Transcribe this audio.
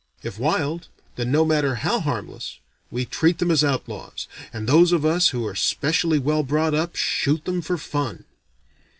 If wild, then no matter how harmless we treat them as outlaws, and those of us who are specially well brought up shoot them for fun.